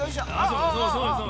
そうそうそうそう。